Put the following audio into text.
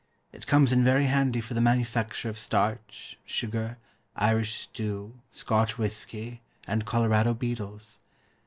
It comes in very handy for the manufacture of starch, sugar, Irish stew, Scotch whisky, and Colorado beetles.